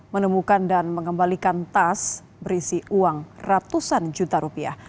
menemukan dan mengembalikan tas berisi uang ratusan juta rupiah